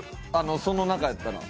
その中やったら。